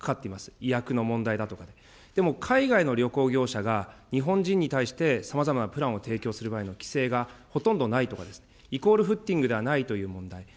医薬の問題だとか、でも海外の旅行業者が日本人に対して、さまざまなプランを提供する場合の規制がほとんどないことですね、イコールフッティングではないという問題。